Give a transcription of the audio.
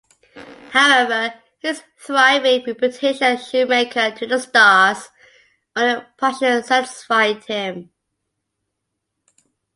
However, his thriving reputation as 'Shoemaker to the Stars' only partially satisfied him.